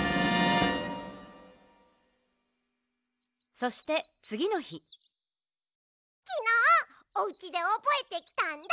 そしてつぎのひきのうおうちでおぼえてきたんだ！